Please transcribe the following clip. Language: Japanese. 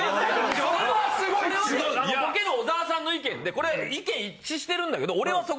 それはそれはボケの小沢さんの意見でこれ意見一致してるんだけど。